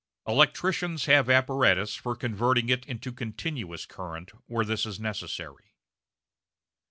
Electricians have apparatus for converting it into a continuous current where this is necessary.